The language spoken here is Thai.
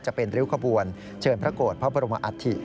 จะเป็นริ้วขบวนเชิญพระโกรธพระบรมอัฐิ